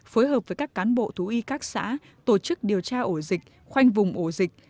phối hợp với các cán bộ thú y các xã tổ chức điều tra ổ dịch khoanh vùng ổ dịch